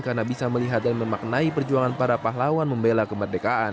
karena bisa melihat dan memaknai perjuangan para pahlawan membela kemerdekaan